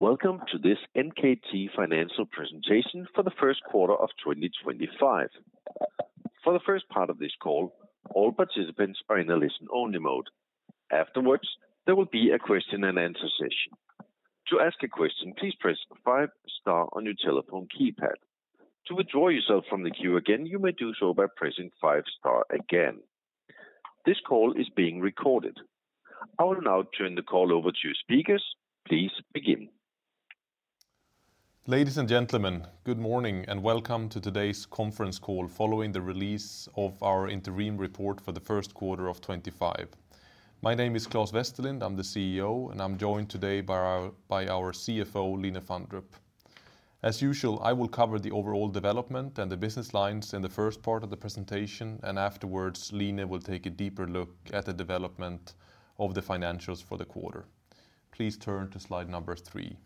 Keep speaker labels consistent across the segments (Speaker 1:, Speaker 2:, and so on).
Speaker 1: Welcome to this NKT Financial Presentation for the First Quarter of 2025. For the first part of this call, all participants are in a listen-only mode. Afterwards, there will be a question-and-answer session. To ask a question, please press five star on your telephone keypad. To withdraw yourself from the queue again, you may do so by pressing five star again. This call is being recorded. I will now turn the call over to your speakers. Please begin.
Speaker 2: Ladies and gentlemen, good morning and welcome to today's conference call following the release of our interim report for the first quarter of 2025. My name is Claes Westerlind, I'm the CEO, and I'm joined today by our CFO, Line Fandrup. As usual, I will cover the overall development and the business lines in the first part of the presentation, and afterwards, Line will take a deeper look at the development of the financials for the quarter. Please turn to slide number three.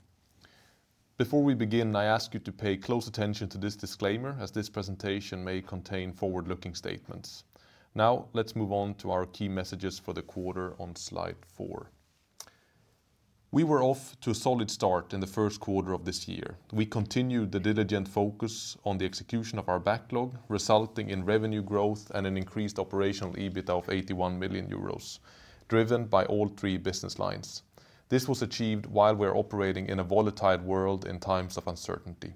Speaker 2: Before we begin, I ask you to pay close attention to this disclaimer, as this presentation may contain forward-looking statements. Now, let's move on to our key messages for the quarter on slide four. We were off to a solid start in the first quarter of this year. We continued the diligent focus on the execution of our backlog, resulting in revenue growth and an increased operational EBITDA of 81 million euros, driven by all three business lines. This was achieved while we were operating in a volatile world in times of uncertainty.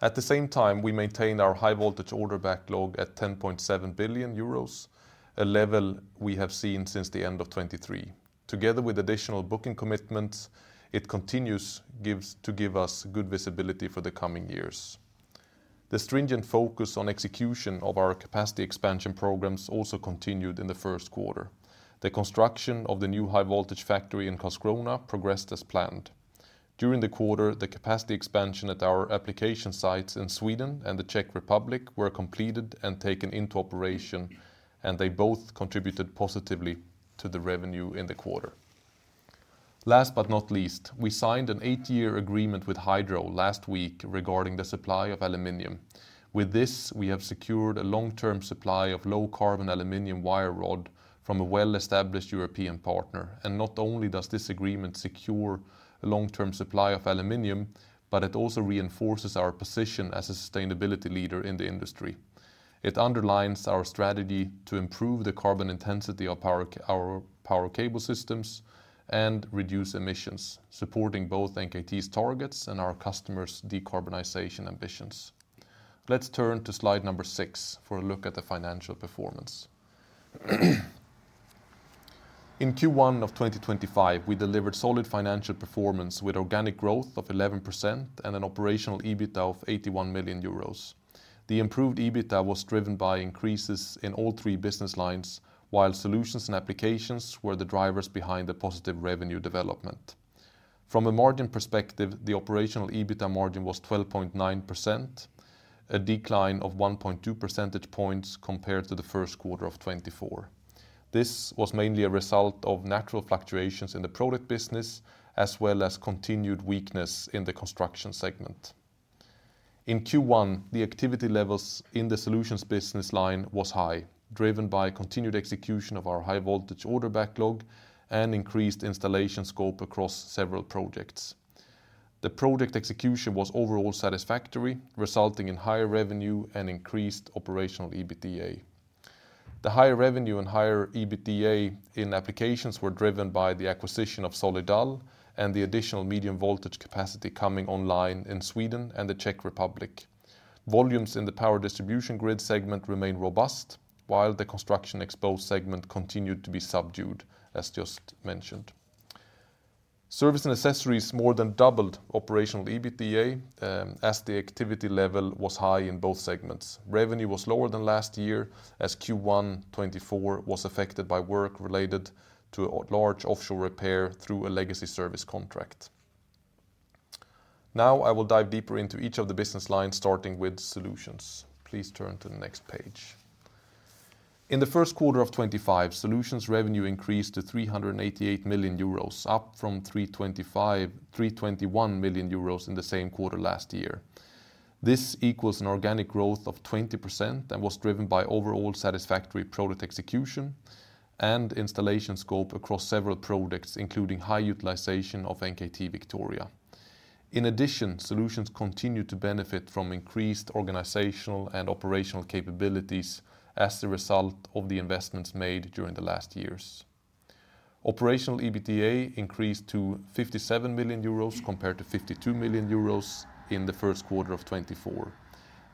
Speaker 2: At the same time, we maintain our high-voltage order backlog at 10.7 billion euros, a level we have seen since the end of 2023. Together with additional booking commitments, it continues to give us good visibility for the coming years. The stringent focus on execution of our capacity expansion programs also continued in the first quarter. The construction of the new high-voltage factory in Karlskrona progressed as planned. During the quarter, the capacity expansion at our application sites in Sweden and the Czech Republic were completed and taken into operation, and they both contributed positively to the revenue in the quarter. Last but not least, we signed an eight-year agreement with Hydro last week regarding the supply of aluminium. With this, we have secured a long-term supply of low-carbon aluminium wire rod from a well-established European partner. Not only does this agreement secure a long-term supply of aluminium, it also reinforces our position as a sustainability leader in the industry. It underlines our strategy to improve the carbon intensity of our power cable systems and reduce emissions, supporting both NKT's targets and our customers' decarbonization ambitions. Let's turn to slide number six for a look at the financial performance. In Q1 of 2025, we delivered solid financial performance with organic growth of 11% and an operational EBITDA of 81 million euros. The improved EBITDA was driven by increases in all three business lines, while solutions and applications were the drivers behind the positive revenue development. From a margin perspective, the operational EBITDA margin was 12.9%, a decline of 1.2 percentage points compared to the first quarter of 2024. This was mainly a result of natural fluctuations in the product business, as well as continued weakness in the construction segment. In Q1, the activity levels in the solutions business line were high, driven by continued execution of our high-voltage order backlog and increased installation scope across several projects. The project execution was overall satisfactory, resulting in higher revenue and increased operational EBITDA. The higher revenue and higher EBITDA in applications were driven by the acquisition of SolidAl and the additional medium-voltage capacity coming online in Sweden and the Czech Republic. Volumes in the power distribution grid segment remained robust, while the construction exposed segment continued to be subdued, as just mentioned. Service and accessories more than doubled operational EBITDA as the activity level was high in both segments. Revenue was lower than last year as Q1 2024 was affected by work related to a large offshore repair through a legacy service contract. Now, I will dive deeper into each of the business lines, starting with solutions. Please turn to the next page. In the first quarter of 2025, solutions revenue increased to 388 million euros, up from 321 million euros in the same quarter last year. This equals an organic growth of 20% and was driven by overall satisfactory product execution and installation scope across several products, including high utilization of NKT Victoria. In addition, solutions continued to benefit from increased organizational and operational capabilities as a result of the investments made during the last years. Operational EBITDA increased to 57 million euros compared to 52 million euros in the first quarter of 2024.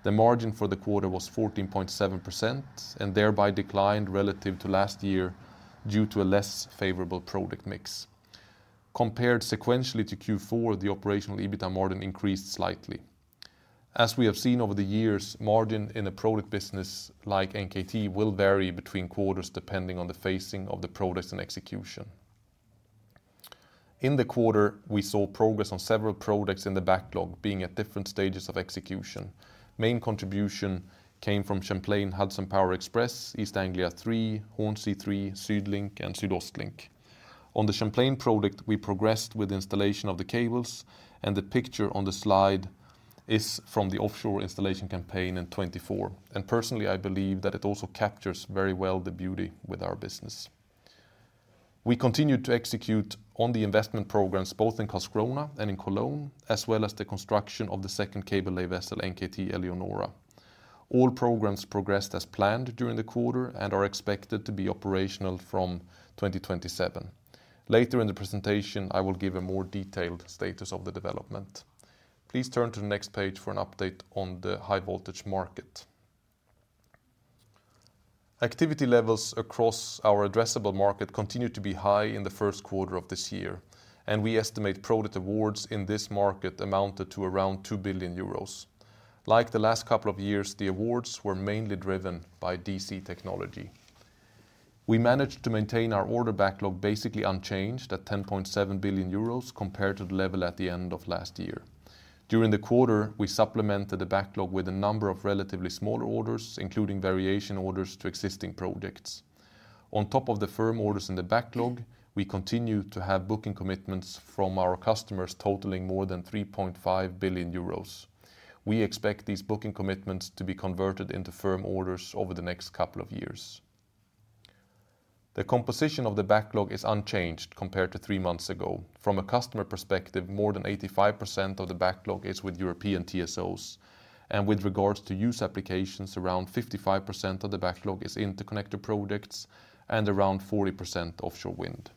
Speaker 2: The margin for the quarter was 14.7% and thereby declined relative to last year due to a less favorable product mix. Compared sequentially to Q4, the operational EBITDA margin increased slightly. As we have seen over the years, margin in a product business like NKT will vary between quarters depending on the phasing of the products and execution. In the quarter, we saw progress on several products in the backlog being at different stages of execution. Main contribution came from Champlain Hudson Power Express, East Anglia THREE, Hornsea III, SuedLink, and SuedOstLink. On the Champlain Hudson Power Express product, we progressed with installation of the cables, and the picture on the slide is from the offshore installation campaign in 2024. I believe that it also captures very well the beauty with our business. We continued to execute on the investment programs both in Karlskrona and in Cologne, as well as the construction of the second cable-lay vessel, NKT Eleonora. All programs progressed as planned during the quarter and are expected to be operational from 2027. Later in the presentation, I will give a more detailed status of the development. Please turn to the next page for an update on the high-voltage market. Activity levels across our addressable market continued to be high in the first quarter of this year, and we estimate product awards in this market amounted to around 2 billion euros. Like the last couple of years, the awards were mainly driven by DC technology. We managed to maintain our order backlog basically unchanged at 10.7 billion euros compared to the level at the end of last year. During the quarter, we supplemented the backlog with a number of relatively smaller orders, including variation orders to existing projects. On top of the firm orders in the backlog, we continue to have booking commitments from our customers totaling more than 3.5 billion euros. We expect these booking commitments to be converted into firm orders over the next couple of years. The composition of the backlog is unchanged compared to three months ago. From a customer perspective, more than 85% of the backlog is with European TSOs. With regards to use applications, around 55% of the backlog is interconnector projects and around 40% offshore wind.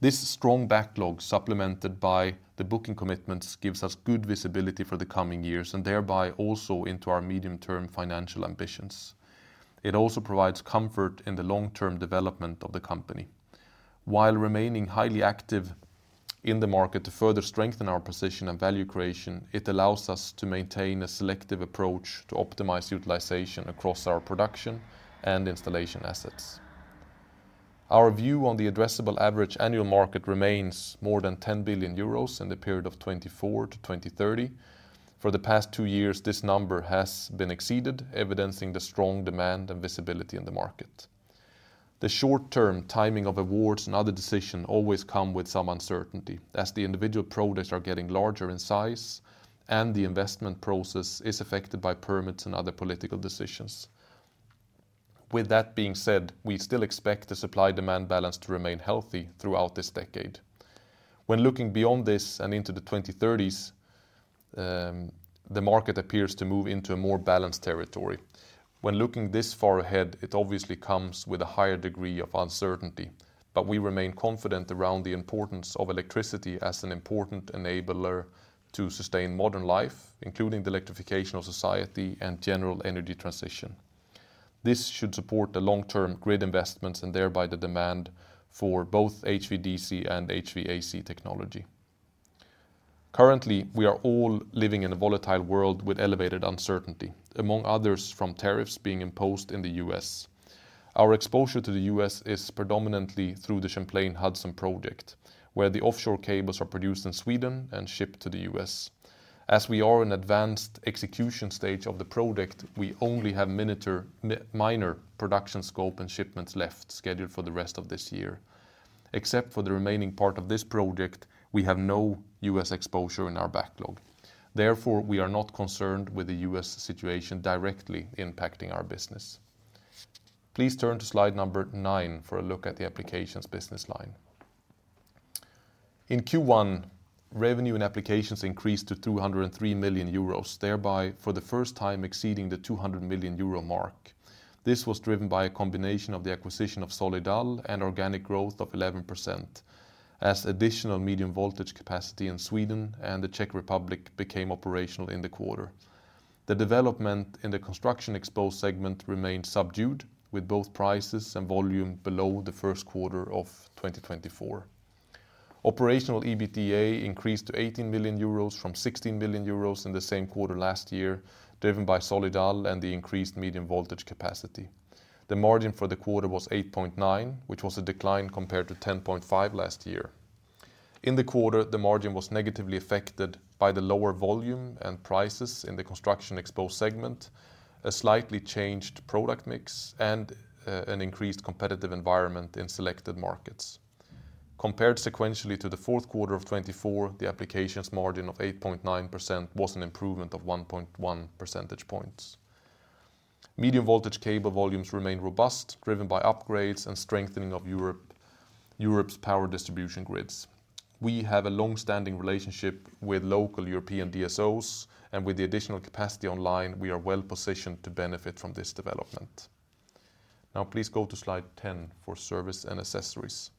Speaker 2: This strong backlog, supplemented by the booking commitments, gives us good visibility for the coming years and thereby also into our medium-term financial ambitions. It also provides comfort in the long-term development of the company. While remaining highly active in the market to further strengthen our position and value creation, it allows us to maintain a selective approach to optimize utilization across our production and installation assets. Our view on the addressable average annual market remains more than 10 billion euros in the period of 2024 to 2030. For the past two years, this number has been exceeded, evidencing the strong demand and visibility in the market. The short-term timing of awards and other decisions always comes with some uncertainty, as the individual products are getting larger in size and the investment process is affected by permits and other political decisions. With that being said, we still expect the supply-demand balance to remain healthy throughout this decade. When looking beyond this and into the 2030s, the market appears to move into a more balanced territory. When looking this far ahead, it obviously comes with a higher degree of uncertainty, but we remain confident around the importance of electricity as an important enabler to sustain modern life, including the electrification of society and general energy transition. This should support the long-term grid investments and thereby the demand for both HVDC and HVAC technology. Currently, we are all living in a volatile world with elevated uncertainty, among others from tariffs being imposed in the U.S. Our exposure to the U.S. is predominantly through the Champlain Hudson Power Express project, where the offshore cables are produced in Sweden and shipped to the U.S. As we are in the advanced execution stage of the project, we only have minute, minor production scope and shipments left scheduled for the rest of this year. Except for the remaining part of this project, we have no U.S. exposure in our backlog. Therefore, we are not concerned with the U.S. situation directly impacting our business. Please turn to slide number nine for a look at the applications business line. In Q1, revenue in applications increased to 203 million euros, thereby for the first time exceeding the 200 million euro mark. This was driven by a combination of the acquisition of SolidAl and organic growth of 11%, as additional medium-voltage capacity in Sweden and the Czech Republic became operational in the quarter. The development in the construction exposed segment remained subdued, with both prices and volume below the first quarter of 2024. Operational EBITDA increased to 18 million euros from 16 million euros in the same quarter last year, driven by SolidAl and the increased medium-voltage capacity. The margin for the quarter was 8.9%, which was a decline compared to 10.5% last year. In the quarter, the margin was negatively affected by the lower volume and prices in the construction exposed segment, a slightly changed product mix, and an increased competitive environment in selected markets. Compared sequentially to the fourth quarter of 2024, the applications margin of 8.9% was an improvement of 1.1 percentage points. Medium-voltage cable volumes remained robust, driven by upgrades and strengthening of Europe's power distribution grids. We have a long-standing relationship with local European DSOs, and with the additional capacity online, we are well positioned to benefit from this development. Now, please go to slide 10 for service and accessories.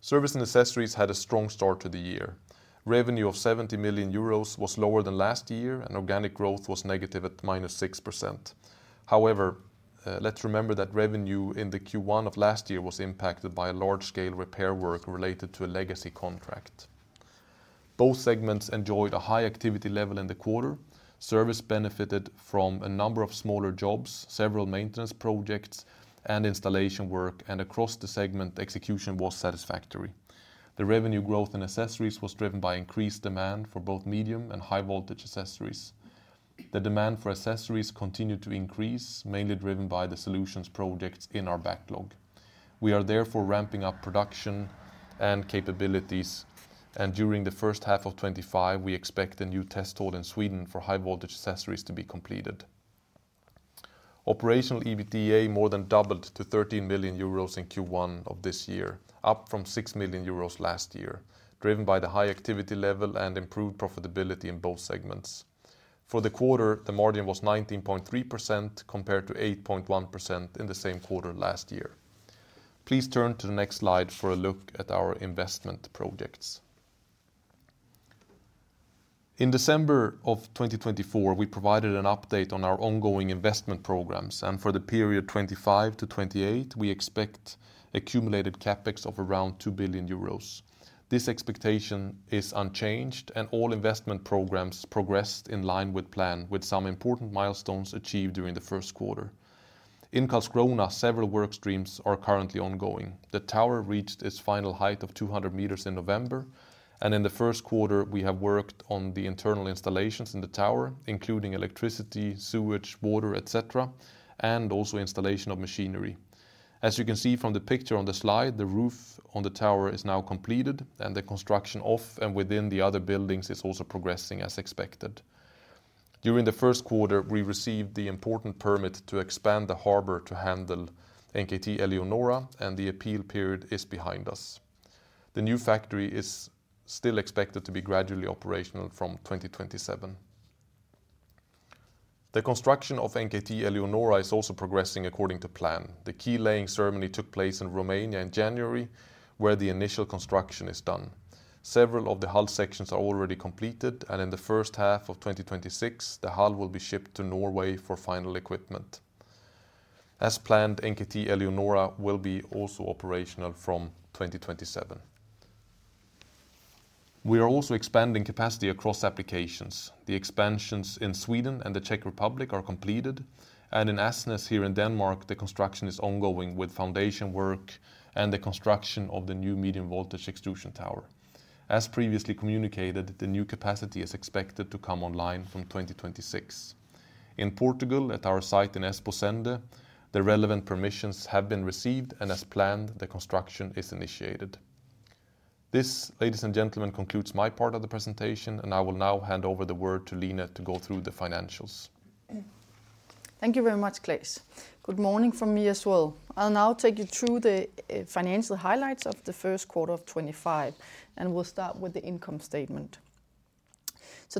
Speaker 2: Service and accessories had a strong start to the year. Revenue of 70 million euros was lower than last year, and organic growth was negative at -6%. However, let's remember that revenue in the Q1 of last year was impacted by large-scale repair work related to a legacy contract. Both segments enjoyed a high activity level in the quarter. Service benefited from a number of smaller jobs, several maintenance projects, and installation work, and across the segment, execution was satisfactory. The revenue growth in accessories was driven by increased demand for both medium and high-voltage accessories. The demand for accessories continued to increase, mainly driven by the solutions projects in our backlog. We are therefore ramping up production and capabilities, and during the first half of 2025, we expect a new test hold in Sweden for high-voltage accessories to be completed. Operational EBITDA more than doubled to 13 million euros in Q1 of this year, up from 6 million euros last year, driven by the high activity level and improved profitability in both segments. For the quarter, the margin was 19.3% compared to 8.1% in the same quarter last year. Please turn to the next slide for a look at our investment projects. In December of 2024, we provided an update on our ongoing investment programs, and for the period 2025 to 2028, we expect accumulated CapEx of around 2 billion euros. This expectation is unchanged, and all investment programs progressed in line with plan, with some important milestones achieved during the first quarter. In Karlskrona, several work streams are currently ongoing. The tower reached its final height of 200 meters in November, and in the first quarter, we have worked on the internal installations in the tower, including electricity, sewage, water, etc., and also installation of machinery. As you can see from the picture on the slide, the roof on the tower is now completed, and the construction of and within the other buildings is also progressing as expected. During the first quarter, we received the important permit to expand the harbor to handle NKT Eleonora, and the appeal period is behind us. The new factory is still expected to be gradually operational from 2027. The construction of NKT Eleonora is also progressing according to plan. The key laying ceremony took place in Romania in January, where the initial construction is done. Several of the hull sections are already completed, and in the first half of 2026, the hull will be shipped to Norway for final equipment. As planned, NKT Eleonora will be also operational from 2027. We are also expanding capacity across applications. The expansions in Sweden and the Czech Republic are completed, and in Asnæs here in Denmark, the construction is ongoing with foundation work and the construction of the new medium-voltage extrusion tower. As previously communicated, the new capacity is expected to come online from 2026. In Portugal, at our site in Esposende, the relevant permissions have been received, and as planned, the construction is initiated. This, ladies and gentlemen, concludes my part of the presentation, and I will now hand over the word to Line to go through the financials.
Speaker 3: Thank you very much, Claes. Good morning from me as well. I'll now take you through the financial highlights of the first quarter of 2025, and we'll start with the income statement.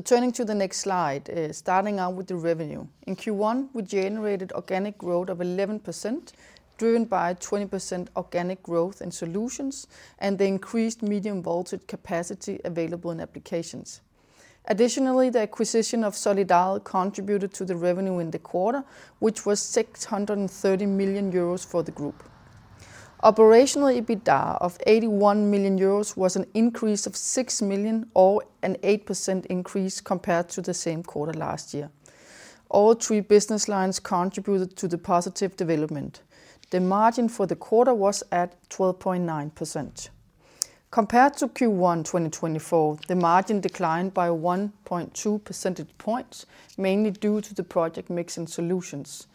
Speaker 3: Turning to the next slide, starting out with the revenue. In Q1, we generated organic growth of 11%, driven by 20% organic growth in solutions and the increased medium-voltage capacity available in applications. Additionally, the acquisition of SolidAl contributed to the revenue in the quarter, which was 630 million euros for the group. Operational EBITDA of 81 million euros was an increase of 6 million or an 8% increase compared to the same quarter last year. All three business lines contributed to the positive development. The margin for the quarter was at 12.9%. Compared to Q1 2024, the margin declined by 1.2 percentage points, mainly due to the project mix and solutions.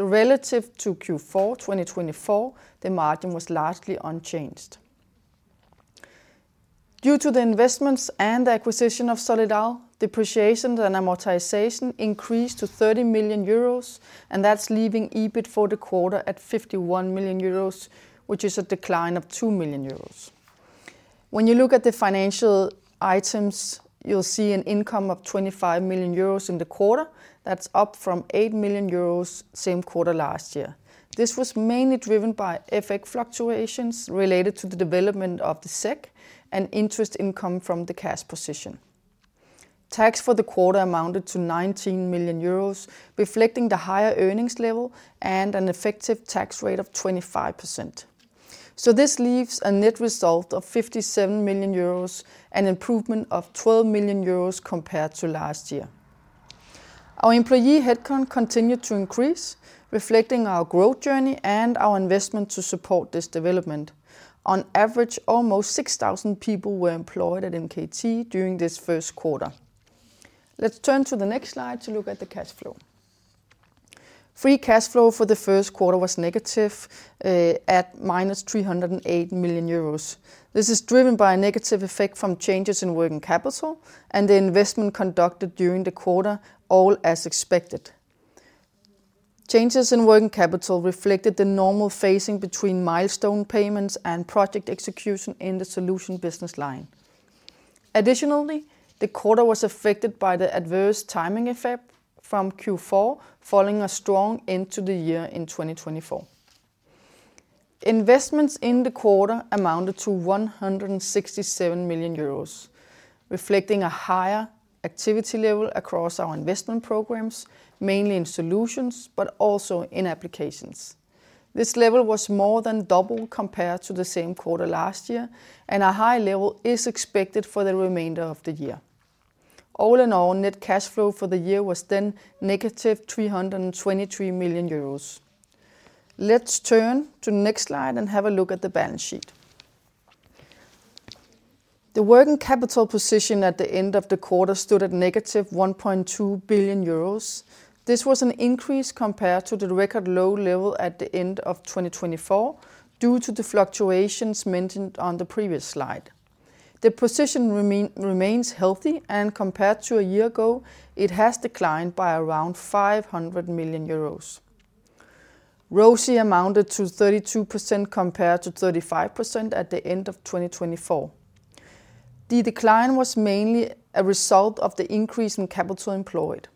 Speaker 3: Relative to Q4 2024, the margin was largely unchanged. Due to the investments and the acquisition of SolidAl, depreciation and amortization increased to 30 million euros, and that's leaving EBIT for the quarter at 51 million euros, which is a decline of 2 million euros. When you look at the financial items, you'll see an income of 25 million euros in the quarter. That's up from 8 million euros same quarter last year. This was mainly driven by FX fluctuations related to the development of the SEK and interest income from the cash position. Tax for the quarter amounted to 19 million euros, reflecting the higher earnings level and an effective tax rate of 25%. This leaves a net result of 57 million euros and an improvement of 12 million euros compared to last year. Our employee headcount continued to increase, reflecting our growth journey and our investment to support this development. On average, almost 6,000 people were employed at NKT during this first quarter. Let's turn to the next slide to look at the cash flow. Free cash flow for the first quarter was negative at -308 million euros. This is driven by a negative effect from changes in working capital and the investment conducted during the quarter, all as expected. Changes in working capital reflected the normal phasing between milestone payments and project execution in the solutions business line. Additionally, the quarter was affected by the adverse timing effect from Q4, following a strong end to the year in 2024. Investments in the quarter amounted to 167 million euros, reflecting a higher activity level across our investment programs, mainly in solutions, but also in applications. This level was more than double compared to the same quarter last year, and a high level is expected for the remainder of the year. All in all, net cash flow for the year was then -323 million euros. Let's turn to the next slide and have a look at the balance sheet. The working capital position at the end of the quarter stood at -1.2 billion euros. This was an increase compared to the record low level at the end of 2024 due to the fluctuations mentioned on the previous slide. The position remains healthy, and compared to a year ago, it has declined by around 500 million euros. ROSI amounted to 32% compared to 35% at the end of 2024. The decline was mainly a result of the increase in capital employed.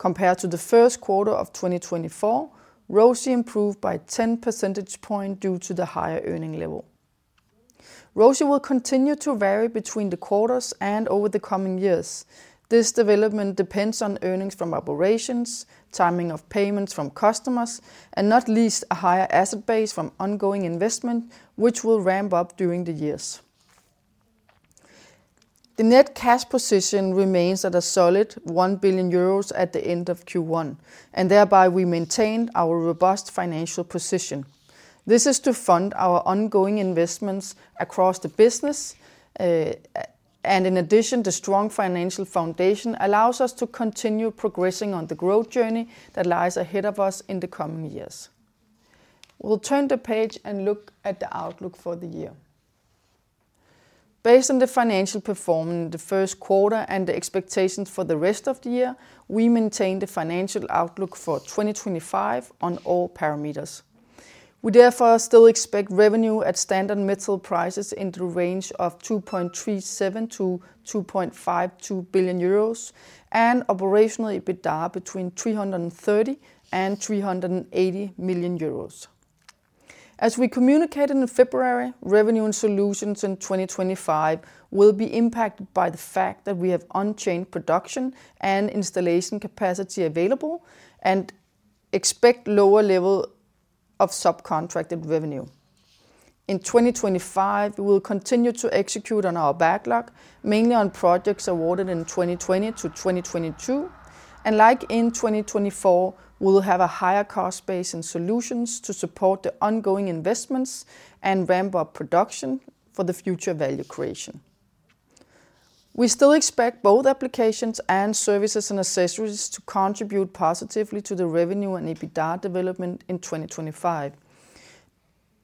Speaker 3: Compared to the first quarter of 2024, ROSI improved by 10 percentage points due to the higher earning level. ROSI will continue to vary between the quarters and over the coming years. This development depends on earnings from operations, timing of payments from customers, and not least a higher asset base from ongoing investment, which will ramp up during the years. The net cash position remains at a solid 1 billion euros at the end of Q1, and thereby we maintained our robust financial position. This is to fund our ongoing investments across the business, and in addition, the strong financial foundation allows us to continue progressing on the growth journey that lies ahead of us in the coming years. We'll turn the page and look at the outlook for the year. Based on the financial performance in the first quarter and the expectations for the rest of the year, we maintain the financial outlook for 2025 on all parameters. We therefore still expect revenue at standard metal prices in the range of 2.37 billion-2.52 billion euros and operational EBITDA between 330 million-380 million euros. As we communicated in February, revenue and solutions in 2025 will be impacted by the fact that we have unchanged production and installation capacity available and expect lower level of subcontracted revenue. In 2025, we will continue to execute on our backlog, mainly on projects awarded in 2020 to 2022, and like in 2024, we will have a higher cost base in solutions to support the ongoing investments and ramp up production for the future value creation. We still expect both applications and services and accessories to contribute positively to the revenue and EBITDA development in 2025.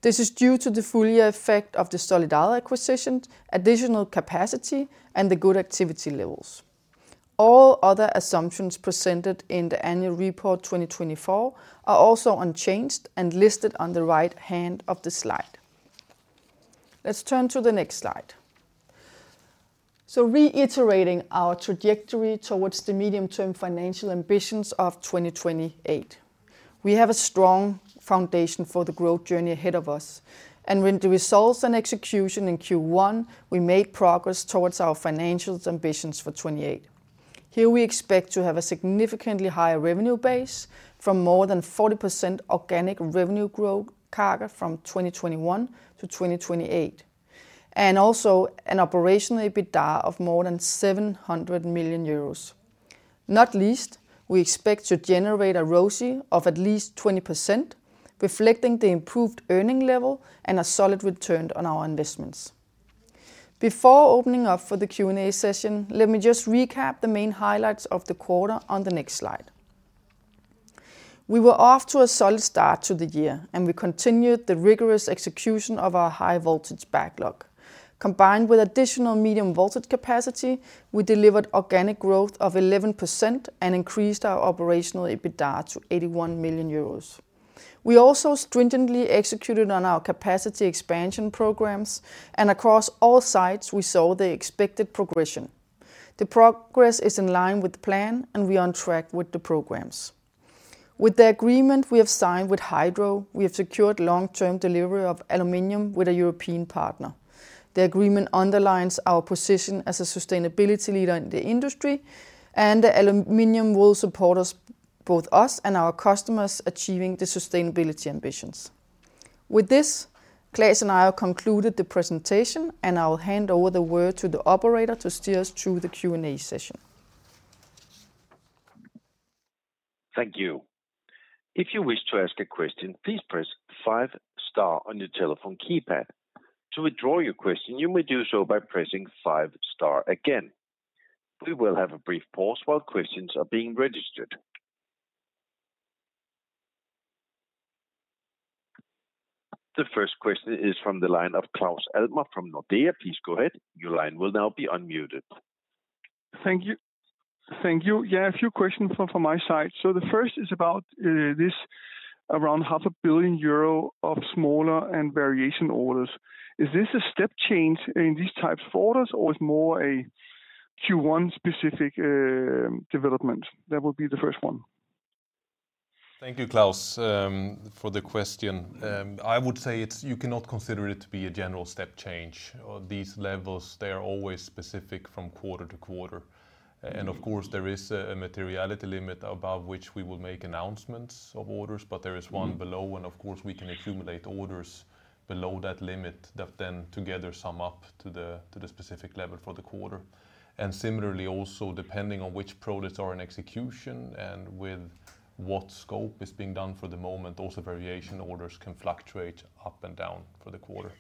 Speaker 3: This is due to the full effect of the SolidAl acquisition, additional capacity, and the good activity levels. All other assumptions presented in the annual report 2024 are also unchanged and listed on the right hand of the slide. Let's turn to the next slide. Reiterating our trajectory towards the medium-term financial ambitions of 2028, we have a strong foundation for the growth journey ahead of us, and with the results and execution in Q1, we made progress towards our financial ambitions for 2028. Here we expect to have a significantly higher revenue base from more than 40% organic revenue growth from 2021 to 2028, and also an operational EBITDA of more than 700 million euros. Not least, we expect to generate a ROSI of at least 20%, reflecting the improved earning level and a solid return on our investments. Before opening up for the Q&A session, let me just recap the main highlights of the quarter on the next slide. We were off to a solid start to the year, and we continued the rigorous execution of our high-voltage backlog. Combined with additional medium-voltage capacity, we delivered organic growth of 11% and increased our operational EBITDA to 81 million euros. We also stringently executed on our capacity expansion programs, and across all sites, we saw the expected progression. The progress is in line with the plan, and we are on track with the programs. With the agreement we have signed with Hydro, we have secured long-term delivery of aluminium with a European partner. The agreement underlines our position as a sustainability leader in the industry, and the aluminium will support both us and our customers achieving the sustainability ambitions. With this, Claes and I have concluded the presentation, and I'll hand over the word to the operator to steer us through the Q&A session.
Speaker 1: Thank you. If you wish to ask a question, please press five star on your telephone keypad. To withdraw your question, you may do so by pressing five star again. We will have a brief pause while questions are being registered. The first question is from the line of Claus Almer from Nordea. Please go ahead. Your line will now be unmuted.
Speaker 4: Thank you. Thank you. Yeah, a few questions from my side. The first is about this around 500 million euro of smaller and variation orders. Is this a step change in these types of orders, or is it more a Q1 specific development? That would be the first one.
Speaker 2: Thank you, Claus, for the question. I would say you cannot consider it to be a general step change. These levels, they are always specific from quarter to quarter. Of course, there is a materiality limit above which we will make announcements of orders, but there is one below, and of course, we can accumulate orders below that limit that then together sum up to the specific level for the quarter. Similarly, also depending on which products are in execution and with what scope is being done for the moment, also variation orders can fluctuate up and down for the quarter.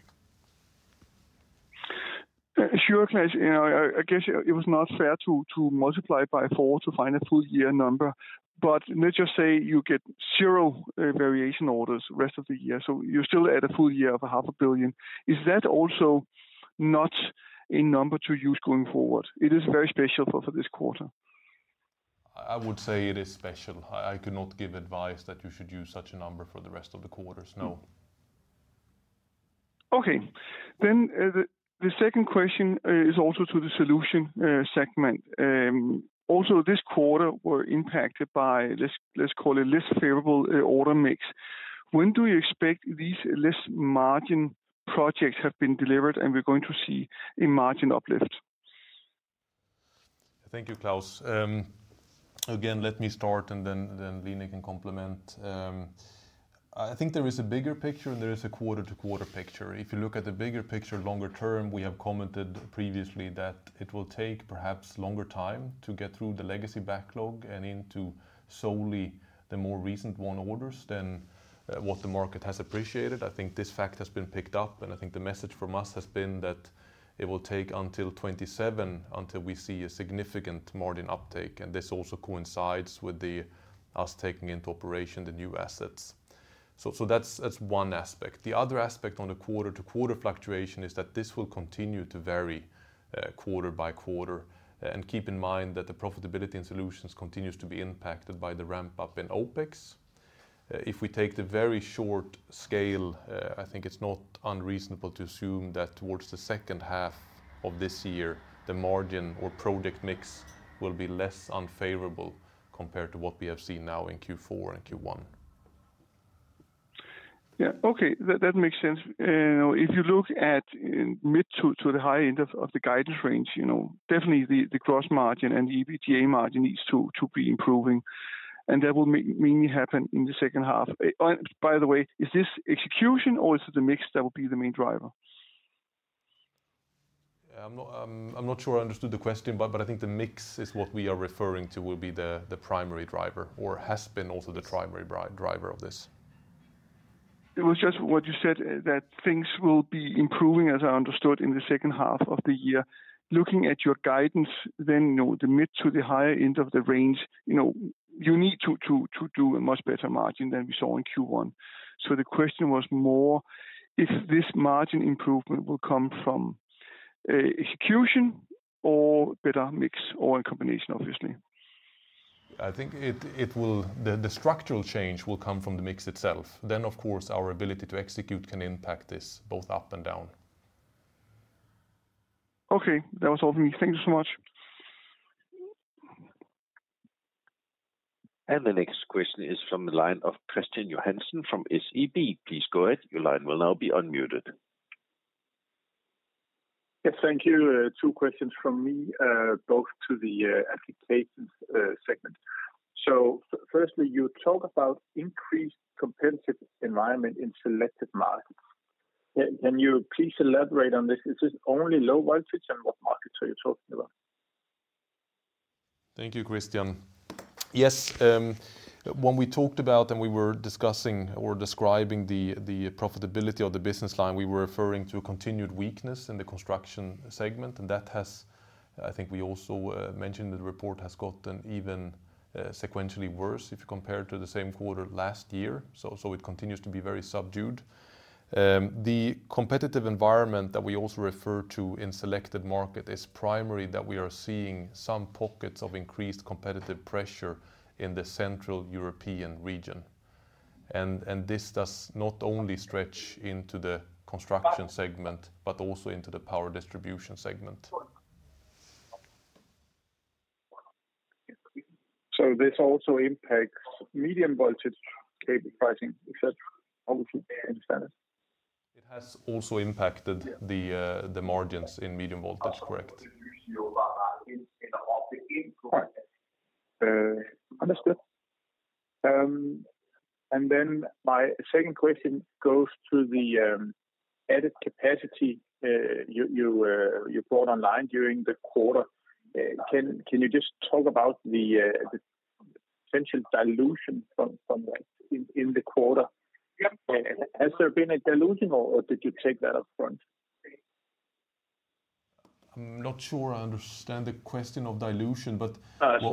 Speaker 4: Sure, Claes. I guess it was not fair to multiply by four to find a full year number, but let's just say you get zero variation orders rest of the year, so you're still at a full year of 500 million. Is that also not a number to use going forward? It is very special for this quarter.
Speaker 2: I would say it is special. I could not give advice that you should use such a number for the rest of the quarters. No.
Speaker 4: Okay. The second question is also to the solutions segment. Also, this quarter was impacted by, let's call it, less favorable order mix. When do you expect these less margin projects have been delivered and we're going to see a margin uplift?
Speaker 2: Thank you, Claus. Again, let me start and then Line can complement. I think there is a bigger picture and there is a quarter-to-quarter picture. If you look at the bigger picture, longer term, we have commented previously that it will take perhaps longer time to get through the legacy backlog and into solely the more recent orders than what the market has appreciated. I think this fact has been picked up, and I think the message from us has been that it will take until 2027 until we see a significant margin uptake, and this also coincides with us taking into operation the new assets. That is one aspect. The other aspect on the quarter-to-quarter fluctuation is that this will continue to vary quarter by quarter, and keep in mind that the profitability in solutions continues to be impacted by the ramp-up in OpEx. If we take the very short scale, I think it's not unreasonable to assume that towards the second half of this year, the margin or project mix will be less unfavorable compared to what we have seen now in Q4 and Q1.
Speaker 4: Yeah, okay. That makes sense. If you look at mid to the high-end of the guidance range, definitely the gross margin and the EBITDA margin needs to be improving, and that will mainly happen in the second half. By the way, is this execution or is it the mix that will be the main driver?
Speaker 2: I'm not sure I understood the question, but I think the mix is what we are referring to will be the primary driver or has been also the primary driver of this.
Speaker 4: It was just what you said that things will be improving, as I understood, in the second half of the year. Looking at your guidance, then the mid to the higher end of the range, you need to do a much better margin than we saw in Q1. The question was more if this margin improvement will come from execution or better mix or a combination, obviously.
Speaker 2: I think the structural change will come from the mix itself. Of course, our ability to execute can impact this both up and down.
Speaker 4: Okay. That was all from me. Thank you so much.
Speaker 1: The next question is from the line of Kristian Johansen from SEB. Please go ahead. Your line will now be unmuted.
Speaker 5: Yes, thank you. Two questions from me, both to the applications segment. Firstly, you talk about increased competitive environment in selected markets. Can you please elaborate on this? Is this only low voltage and what markets are you talking about?
Speaker 2: Thank you, Khristian. Yes. When we talked about and we were discussing or describing the profitability of the business line, we were referring to continued weakness in the construction segment, and that has, I think we also mentioned in the report, has gotten even sequentially worse if you compare to the same quarter last year. It continues to be very subdued. The competitive environment that we also refer to in selected market is primarily that we are seeing some pockets of increased competitive pressure in the Central Europe region. This does not only stretch into the construction segment, but also into the power distribution segment.
Speaker 5: This also impacts medium voltage cable pricing, etc.
Speaker 2: I would say. It has also impacted the margins in medium voltage, correct.
Speaker 5: Understood. Then my second question goes to the added capacity you brought online during the quarter. Can you just talk about the potential dilution from that in the quarter? Has there been a dilution or did you take that upfront?
Speaker 2: I'm not sure I understand the question of dilution, but cost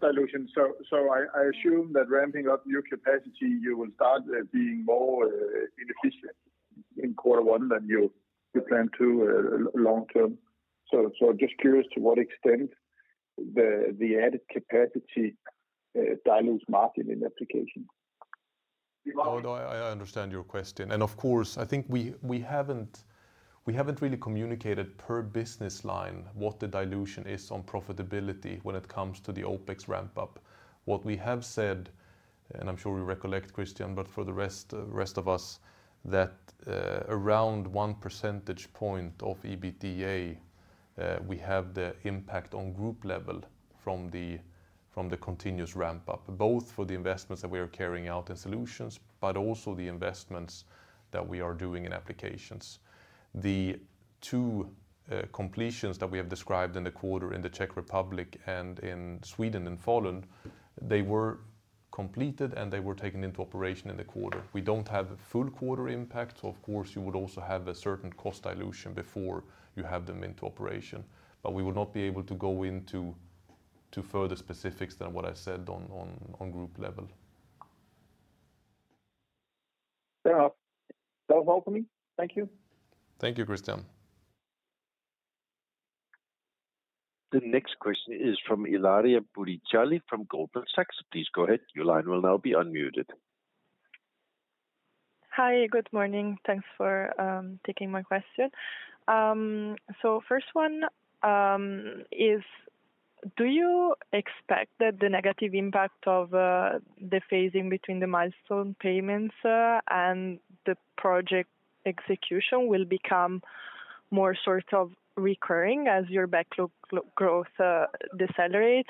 Speaker 2: dilution.
Speaker 5: I assume that ramping up new capacity, you will start being more inefficient in quarter one than you plan to long term. Just curious to what extent the added capacity dilutes margin in application.
Speaker 2: I understand your question. Of course, I think we haven't really communicated per business line what the dilution is on profitability when it comes to the OpEx ramp-up. What we have said, and I'm sure you recollect, Kristian, but for the rest of us, that around one percentage point of EBITDA, we have the impact on group level from the continuous ramp-up, both for the investments that we are carrying out in solutions, but also the investments that we are doing in applications. The two completions that we have described in the quarter in the Czech Republic and in Sweden in Falun, they were completed and they were taken into operation in the quarter. We do not have full quarter impact. Of course, you would also have a certain cost dilution before you have them into operation, but we will not be able to go into further specifics than what I said on group level.
Speaker 5: That was all for me. Thank you.
Speaker 2: Thank you, Kristian.
Speaker 1: The next question is from Ilaria Buricelli from Goldman Sachs. Please go ahead. Your line will now be unmuted.
Speaker 6: Hi, good morning. Thanks for taking my question. First one is, do you expect that the negative impact of the phasing between the milestone payments and the project execution will become more sort of recurring as your backlog growth decelerates?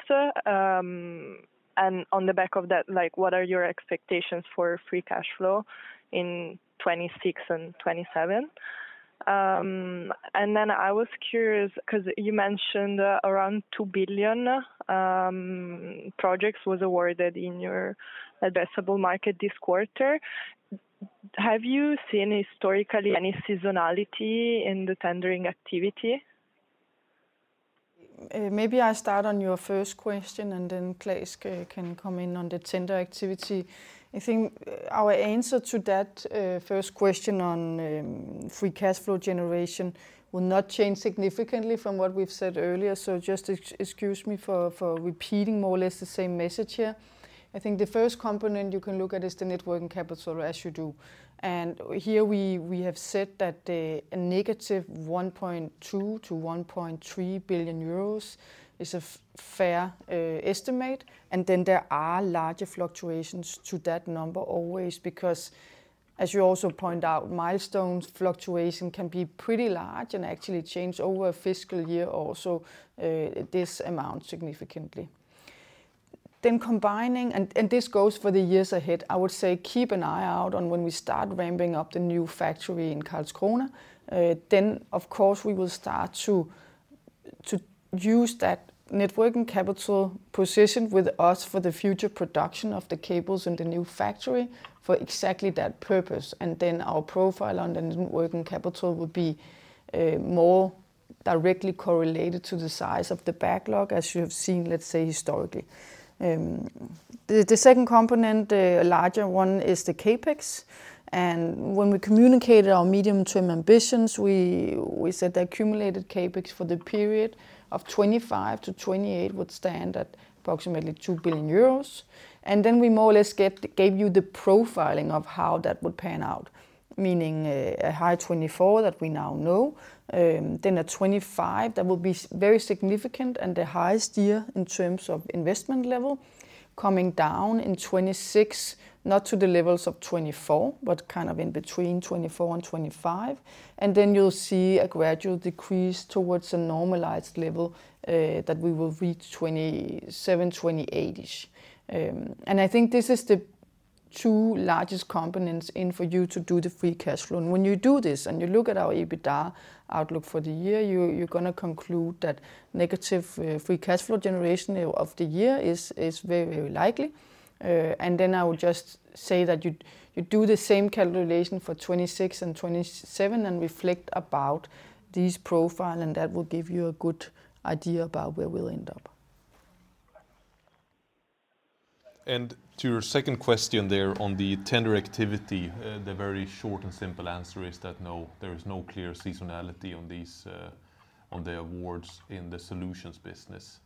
Speaker 6: On the back of that, what are your expectations for free cash flow in 2026 and 2027? I was curious because you mentioned around 2 billion projects was awarded in your addressable market this quarter. Have you seen historically any seasonality in the tendering activity?
Speaker 3: Maybe I start on your first question and then Claes can come in on the tender activity. I think our answer to that first question on free cash flow generation will not change significantly from what we've said earlier. Just excuse me for repeating more or less the same message here. I think the first component you can look at is the working capital as you do. Here we have said that a -1.2 billion--1.3 billion euros is a fair estimate. There are larger fluctuations to that number always because, as you also point out, milestone fluctuation can be pretty large and actually change over a fiscal year or so this amount significantly. Combining, and this goes for the years ahead, I would say keep an eye out on when we start ramping up the new factory in Karlskrona. Of course, we will start to use that working capital position with us for the future production of the cables in the new factory for exactly that purpose. Our profile on the working capital will be more directly correlated to the size of the backlog, as you have seen, let's say, historically. The second component, a larger one, is the CapEx. When we communicated our medium-term ambitions, we said the accumulated CapEx for the period of 2025 to 2028 would stand at approximately 2 billion euros. We more or less gave you the profiling of how that would pan out, meaning a high 2024 that we now know, a 2025 that will be very significant and the highest year in terms of investment level, coming down in 2026, not to the levels of 2024, but kind of in between 2024 and 2025. You will see a gradual decrease towards a normalized level that we will reach 2027, 2028-ish. I think this is the two largest components in for you to do the free cash flow. When you do this and you look at our EBITDA outlook for the year, you're going to conclude that negative free cash flow generation for the year is very, very likely. I would just say that you do the same calculation for 2026 and 2027 and reflect about these profiles, and that will give you a good idea about where we'll end up.
Speaker 2: To your second question there on the tender activity, the very short and simple answer is that no, there is no clear seasonality on the awards in the solutions business,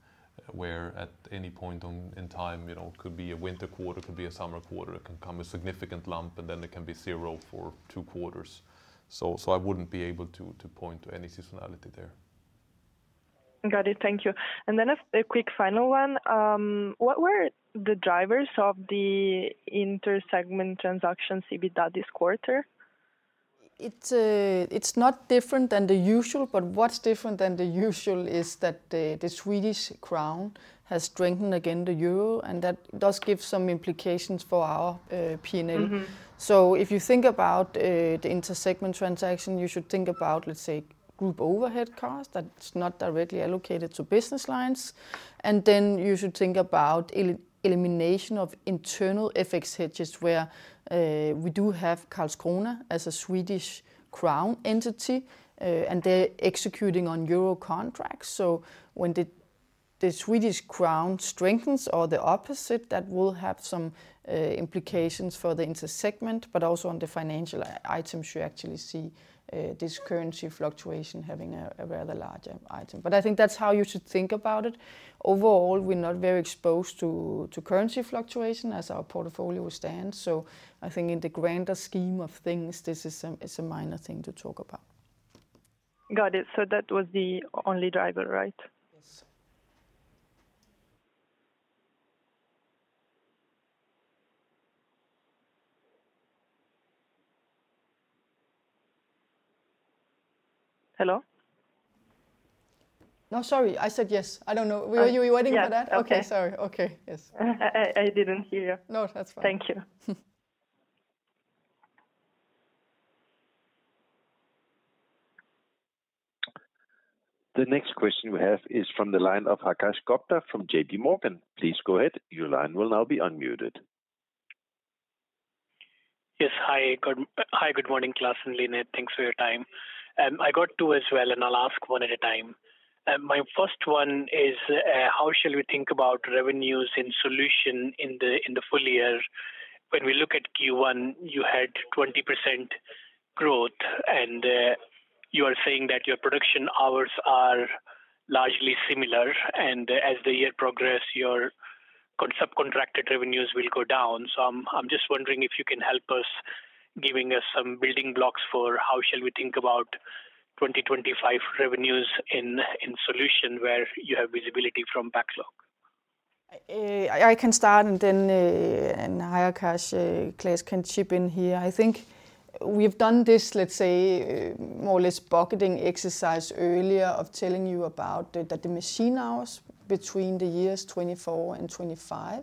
Speaker 2: where at any point in time, it could be a winter quarter, it could be a summer quarter, it can come a significant lump, and then it can be zero for two quarters. I would not be able to point to any seasonality there.
Speaker 6: Got it. Thank you. A quick final one. What were the drivers of the intersegment transaction CBDA this quarter?
Speaker 3: It's not different than the usual, but what's different than the usual is that the Swedish krona has strengthened again the euro, and that does give some implications for our P&L. If you think about the intersegment transaction, you should think about, let's say, group overhead costs that's not directly allocated to business lines. You should think about elimination of internal FX hedges where we do have Karlskrona as a Swedish krona entity, and they're executing on euro contracts. When the Swedish krona strengthens or the opposite, that will have some implications for the intersegment, but also on the financial items, you actually see this currency fluctuation having a rather larger item. I think that's how you should think about it. Overall, we're not very exposed to currency fluctuation as our portfolio stands. I think in the grander scheme of things, this is a minor thing to talk about.
Speaker 6: Got it. That was the only driver, right?
Speaker 3: Yes.
Speaker 6: Hello?
Speaker 3: No, sorry. I said yes. I don't know. Were you waiting for that? Okay. Sorry. Okay. Yes.
Speaker 6: I didn't hear you.
Speaker 3: No, that's fine.
Speaker 6: Thank you.
Speaker 1: The next question we have is from the line of Akash Gupta from JPMorgan. Please go ahead. Your line will now be unmuted.
Speaker 7: Yes. Hi, good morning, Claes and Line. Thanks for your time. I got two as well, and I'll ask one at a time. My first one is, how shall we think about revenues in solution in the full year? When we look at Q1, you had 20% growth, and you are saying that your production hours are largely similar, and as the year progresses, your subcontracted revenues will go down. I am just wondering if you can help us giving us some building blocks for how shall we think about 2025 revenues in solution where you have visibility from backlog.
Speaker 3: I can start, and then, yeah, Claes can chip in here. I think we have done this, let's say, more or less bucketing exercise earlier of telling you about the machine hours between the years 2024 and 2025,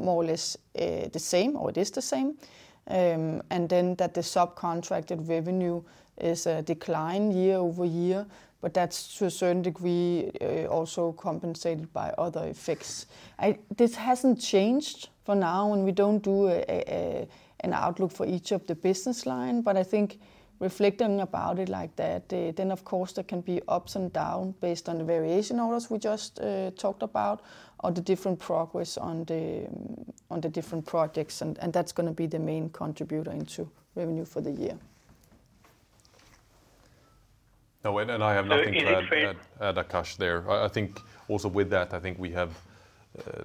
Speaker 3: more or less the same, or it is the same, and then that the subcontracted revenue is declining year over year, but that is to a certain degree also compensated by other effects. This hasn't changed for now, and we don't do an outlook for each of the business lines, but I think reflecting about it like that, then of course there can be ups and downs based on the variation orders we just talked about or the different progress on the different projects, and that's going to be the main contributor into revenue for the year.
Speaker 2: Now, and I have nothing to add, Akash, there. I think also with that, I think we have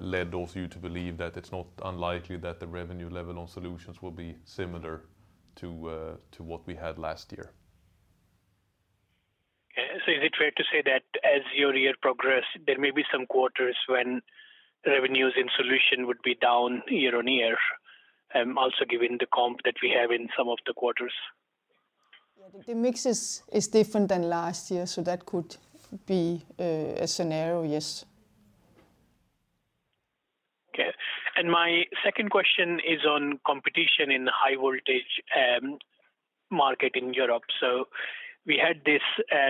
Speaker 2: led those of you to believe that it's not unlikely that the revenue level on solutions will be similar to what we had last year.
Speaker 7: Is it fair to say that as your year progresses, there may be some quarters when revenues in solution would be down year on year, also given the comp that we have in some of the quarters?
Speaker 3: The mix is different than last year, so that could be a scenario, yes.
Speaker 7: Okay. My second question is on competition in the high-voltage market in Europe. We had this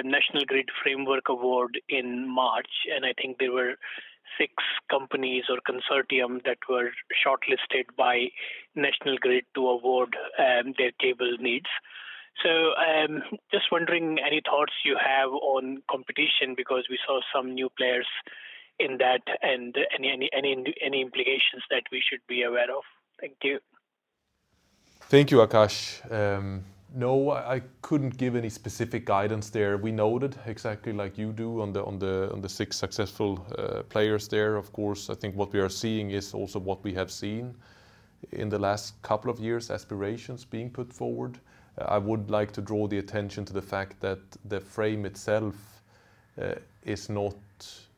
Speaker 7: National Grid Framework Award in March, and I think there were six companies or consortiums that were shortlisted by National Grid to award their cable needs. Just wondering any thoughts you have on competition because we saw some new players in that and any implications that we should be aware of. Thank you.
Speaker 2: Thank you, Akash. No, I could not give any specific guidance there. We noted exactly like you do on the six successful players there. Of course, I think what we are seeing is also what we have seen in the last couple of years, aspirations being put forward. I would like to draw the attention to the fact that the frame itself is not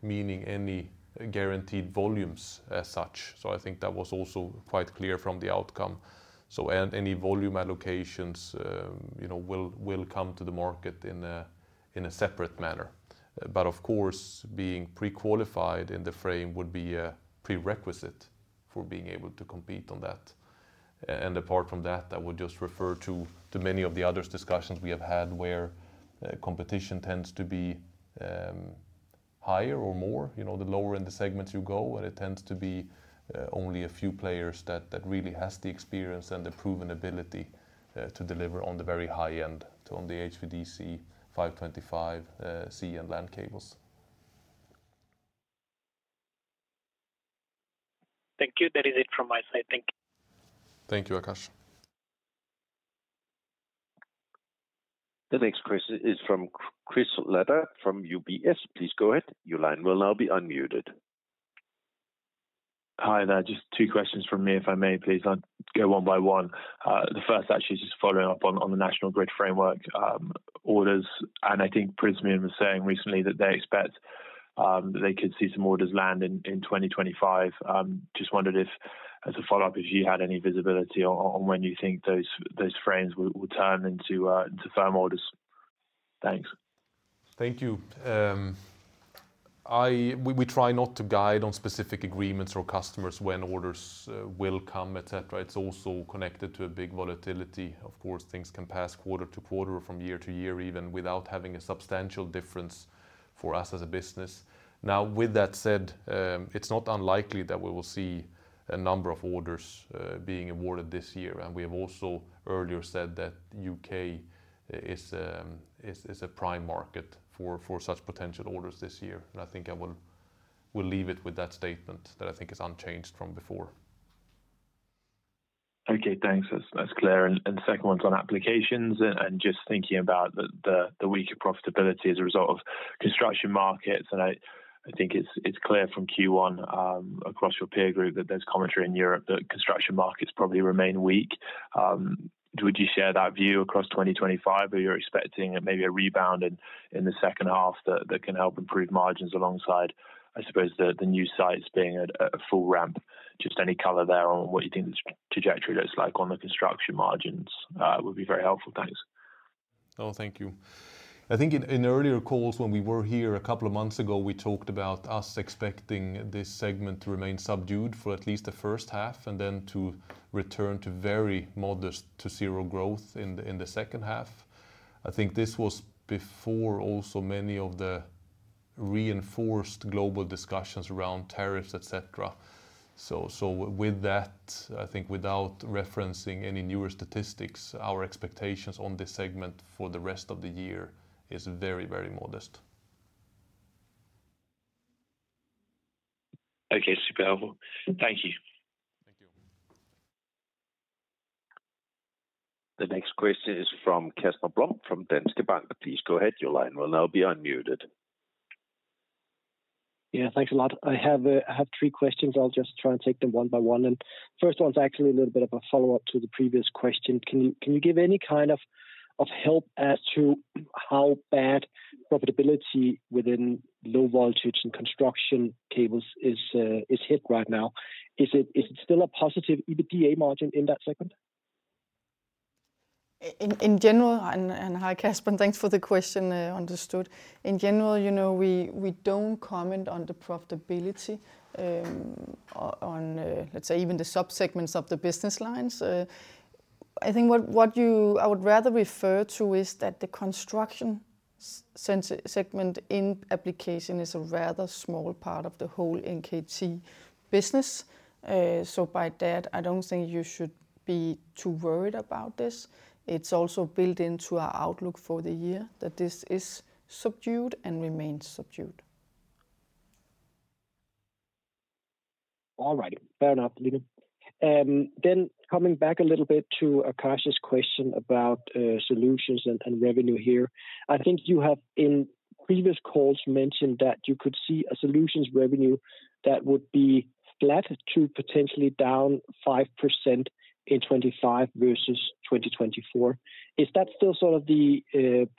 Speaker 2: meaning any guaranteed volumes as such. I think that was also quite clear from the outcome. Any volume allocations will come to the market in a separate manner. Of course, being pre-qualified in the frame would be a prerequisite for being able to compete on that. Apart from that, I would just refer to many of the other discussions we have had where competition tends to be higher or more the lower in the segments you go, and it tends to be only a few players that really have the experience and the proven ability to deliver on the very high end, on the HVDC 525 sea and LAN cables.
Speaker 7: Thank you. That is it from my side. Thank you.
Speaker 2: Thank you, Akash.
Speaker 1: The next question is from Chris Leonard from UBS. Please go ahead. Your line will now be unmuted.
Speaker 8: Hi, now just two questions from me, if I may, please. I'll go one by one. The first, actually, is just following up on the National Grid framework orders. I think Prysmian was saying recently that they expect they could see some orders land in 2025. Just wondered if, as a follow-up, if you had any visibility on when you think those frames will turn into firm orders. Thanks.
Speaker 2: Thank you. We try not to guide on specific agreements or customers when orders will come, etc. It's also connected to a big volatility. Of course, things can pass quarter to quarter or from year to year even without having a substantial difference for us as a business. Now, with that said, it's not unlikely that we will see a number of orders being awarded this year. We have also earlier said that the U.K. is a prime market for such potential orders this year. I think I will leave it with that statement that I think is unchanged from before.
Speaker 8: Okay, thanks. That's clear. The second one's on applications and just thinking about the weaker profitability as a result of construction markets. I think it's clear from Q1 across your peer group that there's commentary in Europe that construction markets probably remain weak. Would you share that view across 2025? Are you expecting maybe a rebound in the second half that can help improve margins alongside, I suppose, the new sites being a full ramp? Just any color there on what you think the trajectory looks like on the construction margins would be very helpful. Thanks.
Speaker 2: No, thank you. I think in earlier calls when we were here a couple of months ago, we talked about us expecting this segment to remain subdued for at least the first half and then to return to very modest to zero growth in the second half. I think this was before also many of the reinforced global discussions around tariffs, etc. With that, I think without referencing any newer statistics, our expectations on this segment for the rest of the year is very, very modest.
Speaker 8: Okay, super helpful. Thank you.
Speaker 1: Thank you. The next question is from Casper Blom from Danske Bank. Please go ahead. Your line will now be unmuted.
Speaker 9: Yeah, thanks a lot. I have three questions. I'll just try and take them one by one. The first one's actually a little bit of a follow-up to the previous question. Can you give any kind of help as to how bad profitability within low voltage and construction cables is hit right now? Is it still a positive EBITDA margin in that segment?
Speaker 3: In general, and hi Casper, thanks for the question, understood. In general, we do not comment on the profitability on, let's say, even the subsegments of the business lines. I think what I would rather refer to is that the construction segment in application is a rather small part of the whole NKT business. By that, I do not think you should be too worried about this. It is also built into our outlook for the year that this is subdued and remains subdued.
Speaker 9: All right. Fair enough, Line. Coming back a little bit to Akash's question about solutions and revenue here, I think you have in previous calls mentioned that you could see a solutions revenue that would be flat to potentially down 5% in 2025 versus 2024. Is that still sort of the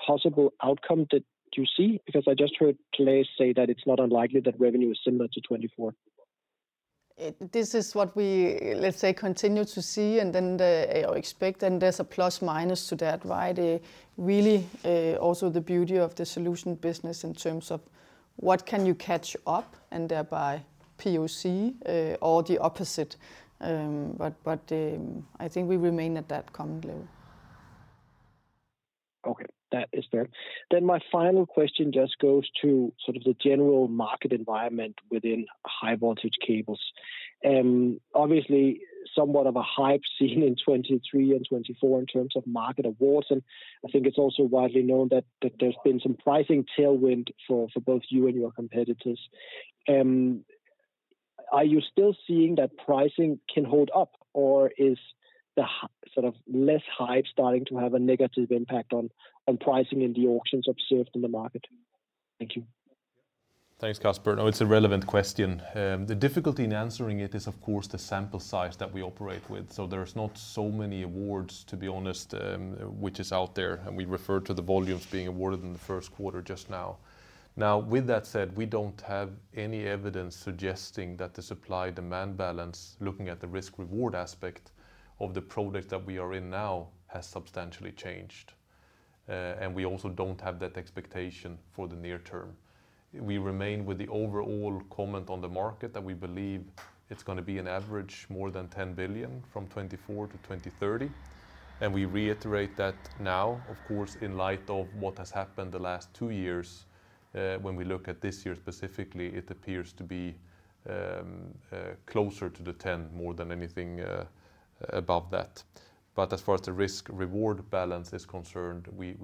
Speaker 9: possible outcome that you see? Because I just heard Claes say that it's not unlikely that revenue is similar to 2024.
Speaker 3: This is what we, let's say, continue to see and then expect, and there's a plus minus to that, right? Really, also the beauty of the solution business in terms of what can you catch up and thereby POC or the opposite. I think we remain at that common level.
Speaker 9: Okay, that is fair. My final question just goes to sort of the general market environment within high-voltage cables. Obviously, somewhat of a hype seen in 2023 and 2024 in terms of market awards, and I think it's also widely known that there's been some pricing tailwind for both you and your competitors. Are you still seeing that pricing can hold up, or is the sort of less hype starting to have a negative impact on pricing in the auctions observed in the market? Thank you.
Speaker 2: Thanks, Casper. No, it's a relevant question. The difficulty in answering it is, of course, the sample size that we operate with. So there's not so many awards, to be honest, which is out there, and we refer to the volumes being awarded in the first quarter just now. Now, with that said, we don't have any evidence suggesting that the supply-demand balance, looking at the risk-reward aspect of the product that we are in now, has substantially changed. We also do not have that expectation for the near term. We remain with the overall comment on the market that we believe it is going to be on average more than 10 billion from 2024 to 2023. We reiterate that now, of course, in light of what has happened the last two years. When we look at this year specifically, it appears to be closer to the 10 billion more than anything above that. As far as the risk-reward balance is concerned, we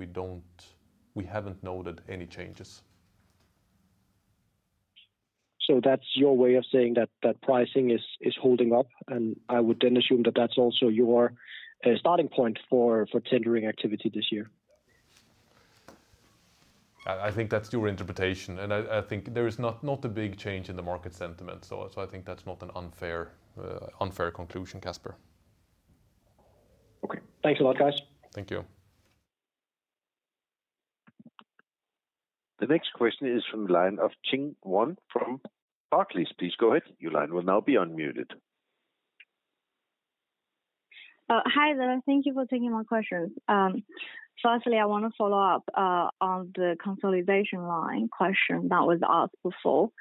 Speaker 2: have not noted any changes.
Speaker 9: That is your way of saying that pricing is holding up, and I would then assume that is also your starting point for tendering activity this year.
Speaker 2: I think that is your interpretation, and I think there is not a big change in the market sentiment. I think that is not an unfair conclusion, Casper.
Speaker 9: Okay, thanks a lot, guys.
Speaker 2: Thank you.
Speaker 1: The next question is from line of Qing Wang from Barclays. Please go ahead. Your line will now be unmuted.
Speaker 10: Hi, there. Thank you for taking my question. Firstly, I want to follow up on the consolidation line question that was asked before.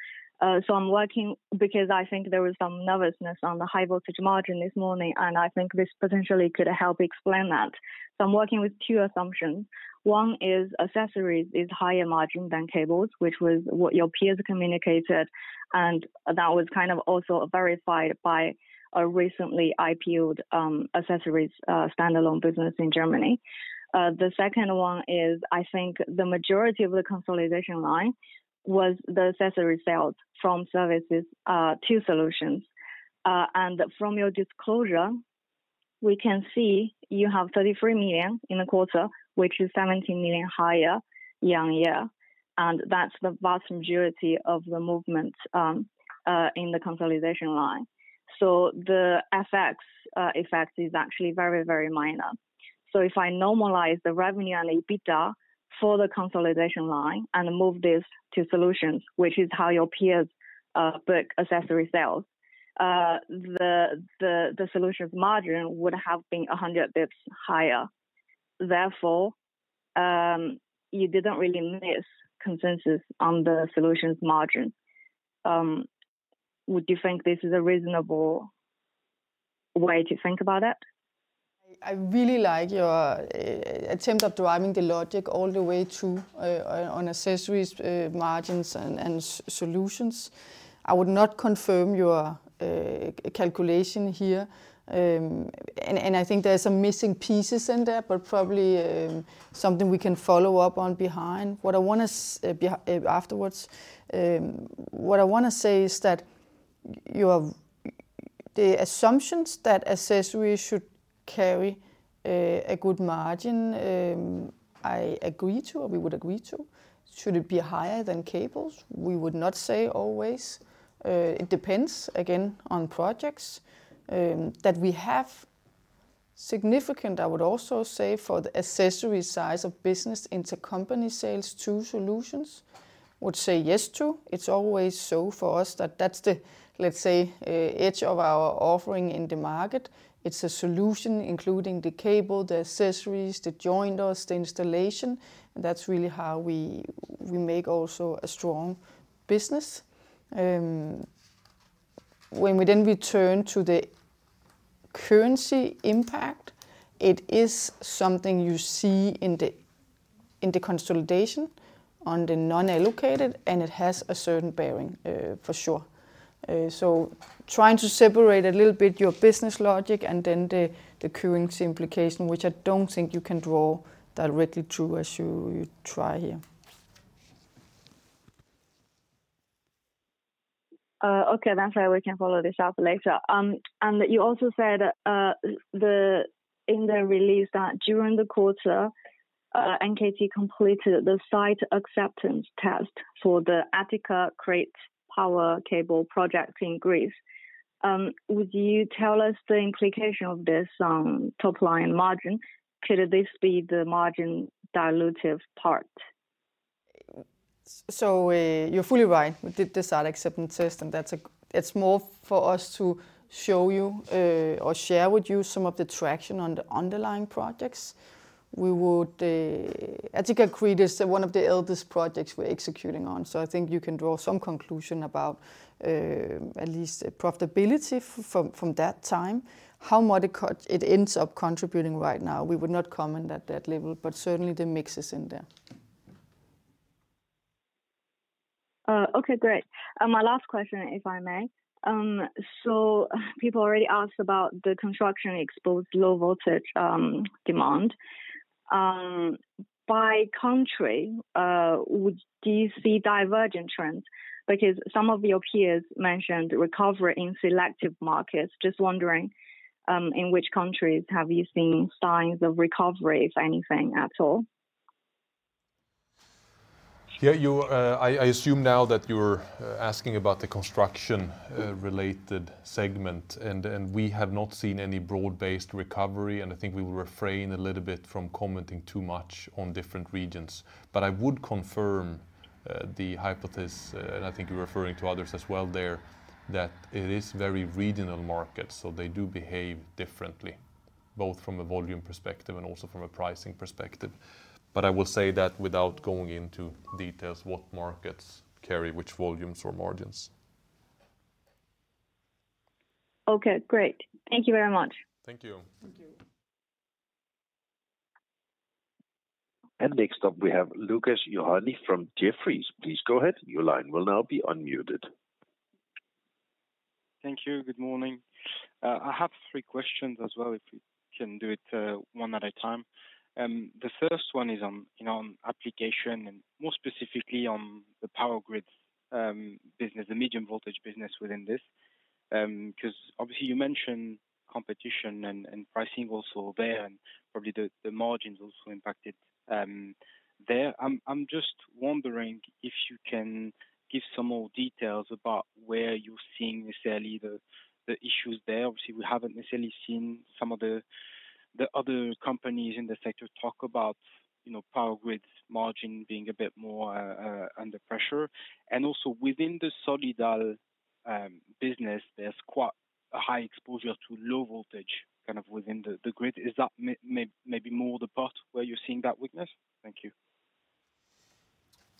Speaker 10: I am working because I think there was some nervousness on the high-voltage margin this morning, and I think this potentially could help explain that. I am working with two assumptions. One is accessories is higher margin than cables, which was what your peers communicated, and that was kind of also verified by a recently IPOed accessories standalone business in Germany. The second one is I think the majority of the consolidation line was the accessory sales from services to solutions. From your disclosure, we can see you have 33 million in the quarter, which is 17 million higher year on year. That is the vast majority of the movement in the consolidation line. The FX effect is actually very, very minor. If I normalize the revenue and EBITDA for the consolidation line and move this to solutions, which is how your peers book accessory sales, the solutions margin would have been 100 bps higher. Therefore, you did not really miss consensus on the solutions margin. Would you think this is a reasonable way to think about it?
Speaker 3: I really like your attempt of deriving the logic all the way to accessories margins and solutions. I would not confirm your calculation here. I think there are some missing pieces in there, but probably something we can follow up on behind. What I want to say is that the assumptions that accessories should carry a good margin, I agree to, or we would agree to. Should it be higher than cables? We would not say always. It depends, again, on projects that we have significant. I would also say for the accessory side of business, intercompany sales to solutions, would say yes to. It is always so for us that that is the, let's say, edge of our offering in the market. It is a solution, including the cable, the accessories, the joiners, the installation. That is really how we make also a strong business. When we then return to the currency impact, it is something you see in the consolidation on the non-allocated, and it has a certain bearing for sure. Trying to separate a little bit your business logic and then the currency implication, which I do not think you can draw directly true as you try here.
Speaker 10: Okay, that is why we can follow this up later. You also said in the release that during the quarter, NKT completed the site acceptance test for the Attica-Crete power cable project in Greece. Would you tell us the implication of this top line margin? Could this be the margin dilutive part?
Speaker 3: You're fully right. We did the site acceptance test, and it's more for us to show you or share with you some of the traction on the underlying projects. Attica-Crete is one of the eldest projects we're executing on. I think you can draw some conclusion about at least profitability from that time. How much it ends up contributing right now, we would not comment at that level, but certainly the mix is in there.
Speaker 10: Okay, great. My last question, if I may. People already asked about the construction-exposed low voltage demand. By country, do you see divergent trends? Because some of your peers mentioned recovery in selective markets. Just wondering in which countries have you seen signs of recovery, if anything at all?
Speaker 2: Yeah, I assume now that you're asking about the construction-related segment, and we have not seen any broad-based recovery. I think we will refrain a little bit from commenting too much on different regions. I would confirm the hypothesis, and I think you're referring to others as well there, that it is very regional markets. They do behave differently, both from a volume perspective and also from a pricing perspective. I will say that without going into details, what markets carry which volumes or margins.
Speaker 10: Okay, great. Thank you very much.
Speaker 2: Thank you.
Speaker 1: Thank you. Next up, we have Lukas Jonaitis from Jefferies. Please go ahead. Your line will now be unmuted.
Speaker 11: Thank you. Good morning. I have three questions as well, if we can do it one at a time. The first one is on application and more specifically on the power grid business, the medium voltage business within this. Because obviously, you mentioned competition and pricing also there, and probably the margins also impacted there. I'm just wondering if you can give some more details about where you're seeing necessarily the issues there. Obviously, we haven't necessarily seen some of the other companies in the sector talk about power grids margin being a bit more under pressure. And also within the SolidAl business, there's quite a high exposure to low voltage kind of within the grid. Is that maybe more the part where you're seeing that weakness? Thank you.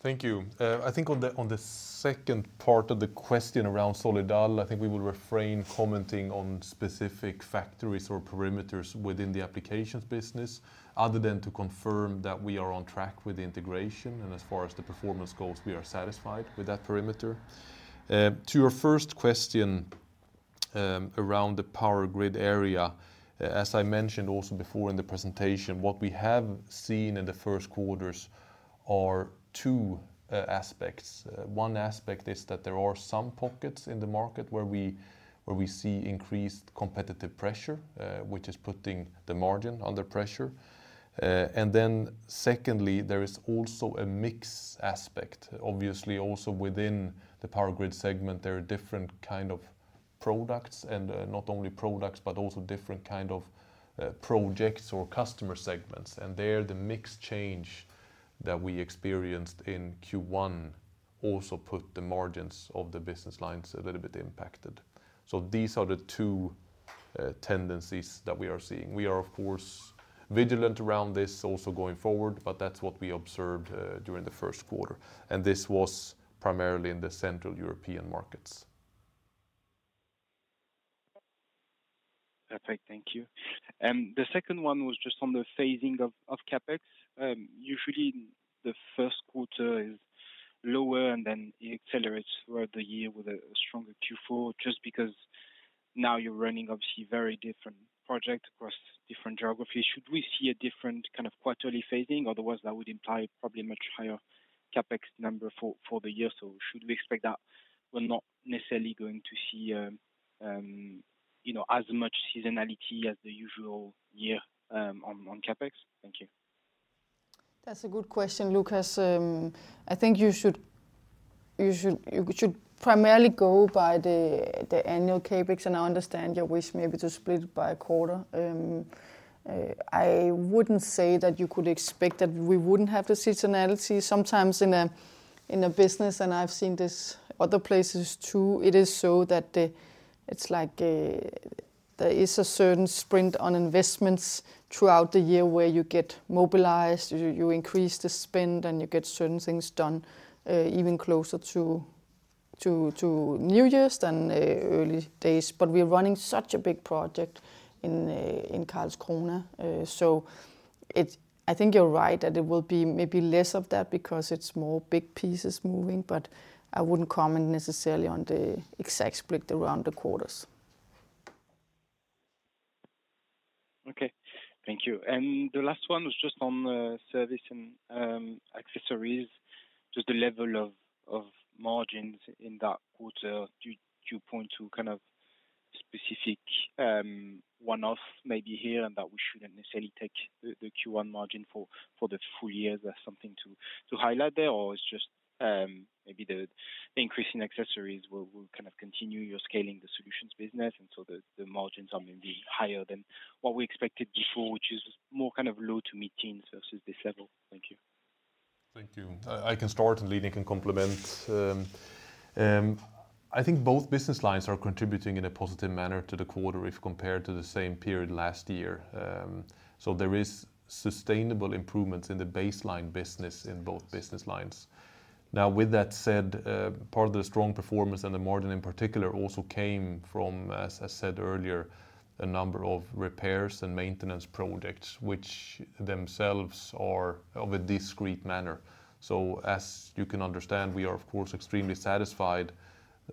Speaker 2: Thank you. I think on the second part of the question around SolidAl, I think we will refrain from commenting on specific factories or perimeters within the applications business, other than to confirm that we are on track with the integration. As far as the performance goes, we are satisfied with that perimeter. To your first question around the power grid area, as I mentioned also before in the presentation, what we have seen in the first quarters are two aspects. One aspect is that there are some pockets in the market where we see increased competitive pressure, which is putting the margin under pressure. Secondly, there is also a mixed aspect. Obviously, also within the power grid segment, there are different kinds of products and not only products, but also different kinds of projects or customer segments. There, the mixed change that we experienced in Q1 also put the margins of the business lines a little bit impacted. These are the two tendencies that we are seeing. We are, of course, vigilant around this also going forward, but that's what we observed during the first quarter. This was primarily in the Central European markets.
Speaker 11: Perfect. Thank you. The second one was just on the phasing of CapEx. Usually, the first quarter is lower and then accelerates throughout the year with a stronger Q4, just because now you're running, obviously, very different projects across different geographies. Should we see a different kind of quarterly phasing? Otherwise, that would imply probably a much higher CapEx number for the year. Should we expect that we're not necessarily going to see as much seasonality as the usual year on CapEx? Thank you.
Speaker 3: That's a good question, Lukas. I think you should primarily go by the annual CapEx, and I understand your wish maybe to split it by a quarter. I wouldn't say that you could expect that we wouldn't have the seasonality. Sometimes in a business, and I've seen this other places too, it is so that it's like there is a certain sprint on investments throughout the year where you get mobilized, you increase the spend, and you get certain things done even closer to New Year's than early days. We are running such a big project in Karlskrona. I think you're right that it will be maybe less of that because it's more big pieces moving, but I wouldn't comment necessarily on the exact split around the quarters.
Speaker 11: Okay. Thank you. The last one was just on service and accessories, just the level of margins in that quarter. Do you point to kind of specific one-offs maybe here and that we should not necessarily take the Q1 margin for the full year as something to highlight there, or it is just maybe the increase in accessories will kind of continue your scaling the solutions business, and so the margins are maybe higher than what we expected before, which is more kind of low to mid-teens versus this level? Thank you.
Speaker 2: Thank you. I can start, and Line can complement. I think both business lines are contributing in a positive manner to the quarter if compared to the same period last year. There is sustainable improvement in the baseline business in both business lines. Now, with that said, part of the strong performance and the margin in particular also came from, as I said earlier, a number of repairs and maintenance projects, which themselves are of a discrete manner. As you can understand, we are, of course, extremely satisfied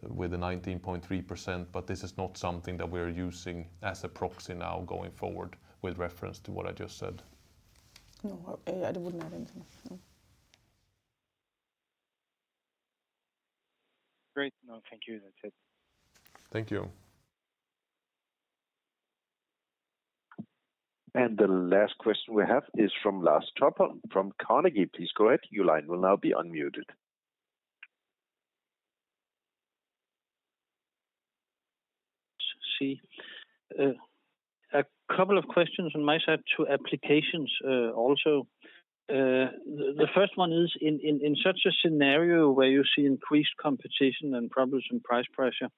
Speaker 2: with the 19.3%, but this is not something that we are using as a proxy now going forward with reference to what I just said.
Speaker 3: No, I would not add anything. No.
Speaker 11: Great. No, thank you. That is it.
Speaker 2: Thank you.
Speaker 1: The last question we have is from Lars Topholm from Carnegie. Please go ahead. Your line will now be unmuted.
Speaker 12: Let us see. A couple of questions on my side to applications also. The first one is, in such a scenario where you see increased competition and problems in price pressure,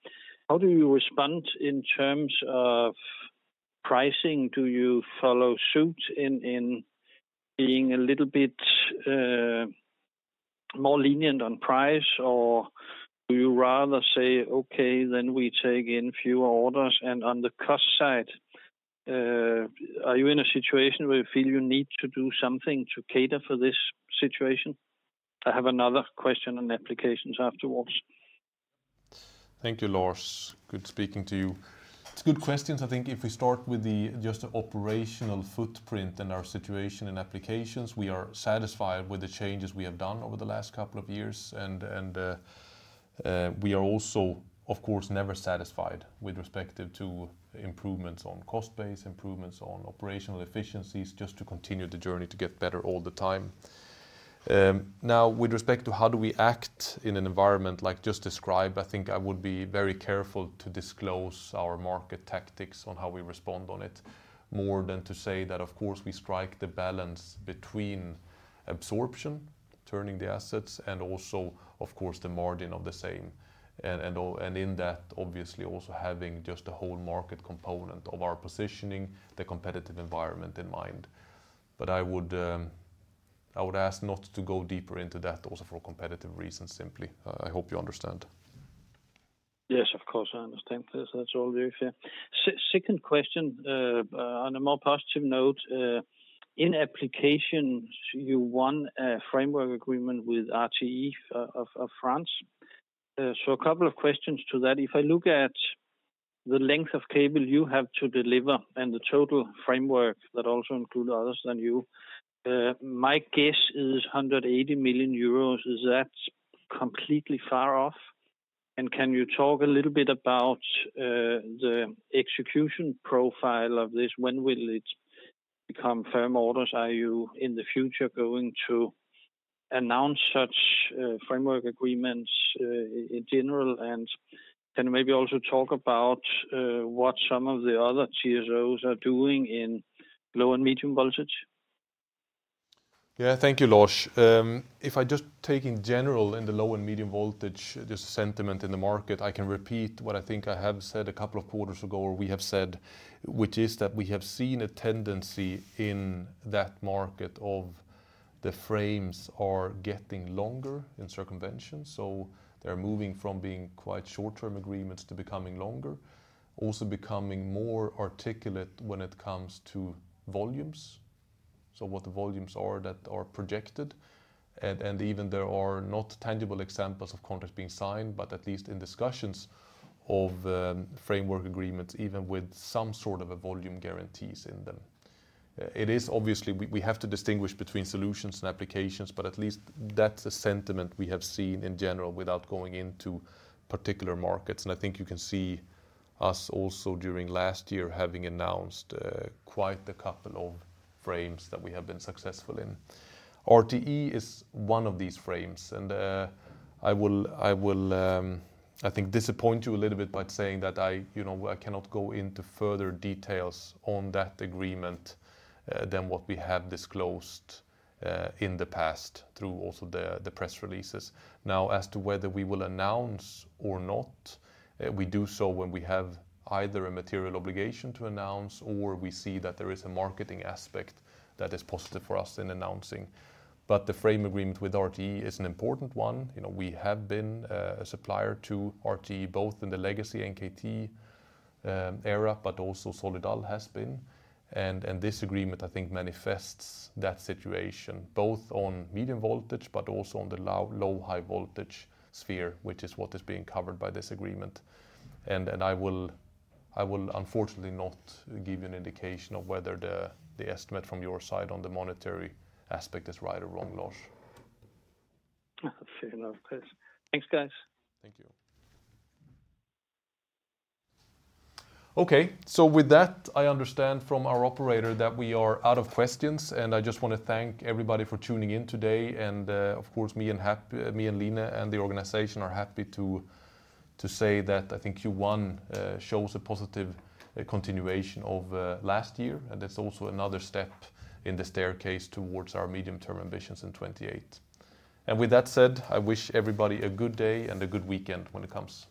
Speaker 12: how do you respond in terms of pricing? Do you follow suit in being a little bit more lenient on price, or do you rather say, "Okay, then we take in fewer orders"? On the cost side, are you in a situation where you feel you need to do something to cater for this situation? I have another question on applications afterwards.
Speaker 2: Thank you, Lars. Good speaking to you. Good questions. I think if we start with just the operational footprint and our situation in applications, we are satisfied with the changes we have done over the last couple of years. We are also, of course, never satisfied with respect to improvements on cost base, improvements on operational efficiencies, just to continue the journey to get better all the time. Now, with respect to how do we act in an environment like just described, I think I would be very careful to disclose our market tactics on how we respond on it, more than to say that, of course, we strike the balance between absorption, turning the assets, and also, of course, the margin of the same. In that, obviously, also having just the whole market component of our positioning, the competitive environment in mind. I would ask not to go deeper into that also for competitive reasons simply. I hope you understand.
Speaker 12: Yes, of course, I understand. That is all very fair. Second question, on a more positive note, in application, you won a framework agreement with RTE of France. A couple of questions to that. If I look at the length of cable you have to deliver and the total framework that also includes others than you, my guess is 180 million euros. Is that completely far off? Can you talk a little bit about the execution profile of this? When will it become firm orders? Are you in the future going to announce such framework agreements in general? Can you maybe also talk about what some of the other TSOs are doing in low and medium voltage?
Speaker 2: Yeah, thank you, Lars. If I just take in general in the low and medium voltage, just sentiment in the market, I can repeat what I think I have said a couple of quarters ago or we have said, which is that we have seen a tendency in that market of the frames getting longer in circumvention. They are moving from being quite short-term agreements to becoming longer, also becoming more articulate when it comes to volumes. What the volumes are that are projected. Even there are not tangible examples of contracts being signed, but at least in discussions of framework agreements, even with some sort of volume guarantees in them. It is obviously we have to distinguish between solutions and applications, but at least that is a sentiment we have seen in general without going into particular markets. I think you can see us also during last year having announced quite a couple of frames that we have been successful in. RTE is one of these frames. I will, I think, disappoint you a little bit by saying that I cannot go into further details on that agreement than what we have disclosed in the past through also the press releases. Now, as to whether we will announce or not, we do so when we have either a material obligation to announce or we see that there is a marketing aspect that is positive for us in announcing. The frame agreement with RTE is an important one. We have been a supplier to RTE, both in the legacy NKT era, but also SolidAl has been. This agreement, I think, manifests that situation both on medium voltage, but also on the low-high voltage sphere, which is what is being covered by this agreement. I will, unfortunately, not give you an indication of whether the estimate from your side on the monetary aspect is right or wrong, Lars.
Speaker 12: Fair enough. Thanks, guys.
Speaker 2: Thank you. Okay. With that, I understand from our operator that we are out of questions. I just want to thank everybody for tuning in today. Of course, me and Line and the organization are happy to say that I think Q1 shows a positive continuation of last year. That is also another step in the staircase towards our medium-term ambitions in 2028. With that said, I wish everybody a good day and a good weekend when it comes.